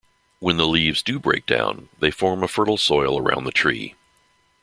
When the leaves do break down, they form a fertile soil around the tree.